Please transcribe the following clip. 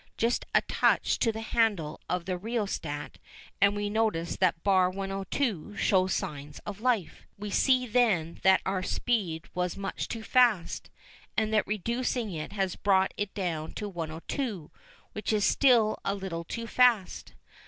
Just a touch to the handle of the rheostat and we notice that bar 102 shows signs of life. We see then that our first speed was much too fast, and that reducing it has brought it down to 102, which is still a little too fast.